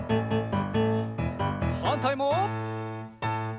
はんたいも。